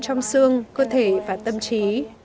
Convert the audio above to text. trong xương cơ thể và tâm trí